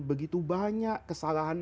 begitu banyak kesalahan